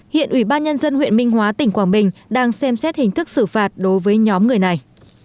hiện ủy ban nhân dân huyện minh hóa tỉnh quảng bình đang xem xét hình thức xử phạt đối với nhóm người này